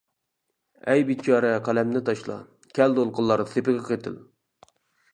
ئەي بىچارە قەلەمنى تاشلا، كەل دولقۇنلار سېپىگە قېتىل!